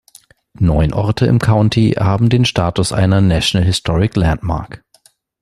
Neun Orte im County haben den Status einer National Historic Landmark.